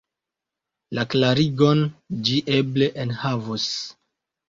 La klarigon ĝi eble enhavos.